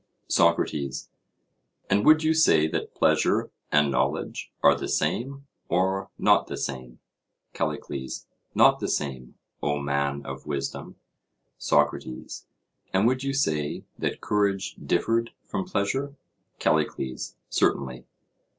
SOCRATES: And would you say that pleasure and knowledge are the same, or not the same? CALLICLES: Not the same, O man of wisdom. SOCRATES: And would you say that courage differed from pleasure? CALLICLES: Certainly.